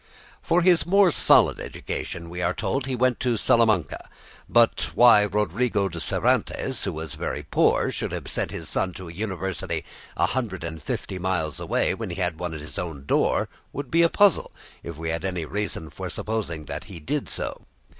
For his more solid education, we are told, he went to Salamanca. But why Rodrigo de Cervantes, who was very poor, should have sent his son to a university a hundred and fifty miles away when he had one at his own door, would be a puzzle, if we had any reason for supposing that he did so.